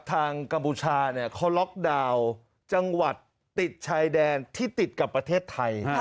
กัมพูชาเขาล็อกดาวน์จังหวัดติดชายแดนที่ติดกับประเทศไทย